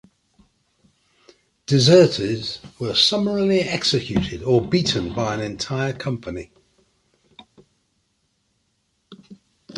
Deserters were summarily executed or beaten by an entire company.